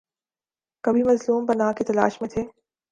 کبھی مظلوم پناہ کی تلاش میں تھے۔